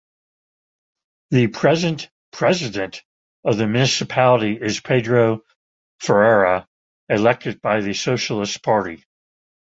The present "president" of the municipality is Pedro Ferreira, elected by the Socialist Party.